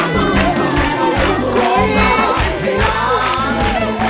นักสู้ชีวิต